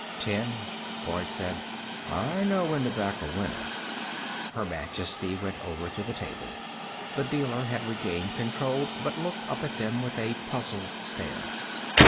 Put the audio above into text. "Ten," Boyd said. "I know when to back a winner." Her Majesty went over to the table. The dealer had regained control, but looked up at them with a puzzled stare.